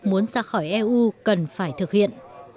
muốn ra khỏi eu cần phải thực hiện